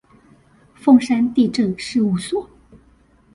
鳳山地政事務所